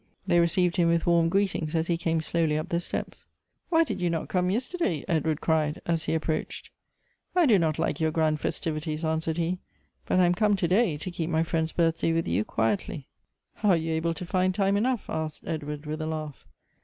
They received him. with warm greetings as he came slowly up the steps. " Why did you not come yesterday? Edward cried, as he approached. " I do not like your grand festivities," answered he ;" but I am come to day to keep my friend's birthday with you quietly." " How are you able to find time enough ? asked Edward, with a laugh.